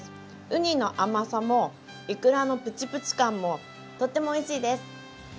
うにの甘さもいくらのプチプチ感もとってもおいしいです。